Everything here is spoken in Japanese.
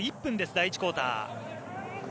第１クオーター。